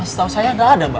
setahu saya nggak ada mbak